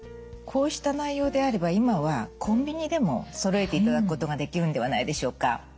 こうした内容であれば今はコンビニでもそろえていただくことができるんではないでしょうか。